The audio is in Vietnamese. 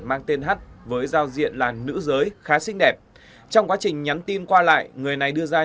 mang tên h với giao diện là nữ giới khá xinh đẹp trong quá trình nhắn tin qua lại người này đưa ra